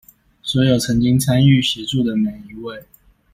所有曾經參與、協助的每一位